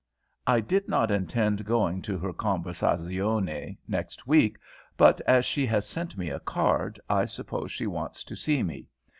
"I did not intend going to her conversazione next week, but as she has sent me a card I suppose she wants to see me.